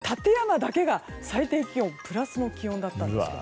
千葉の館山だけが最低気温プラスの気温だったんですよ。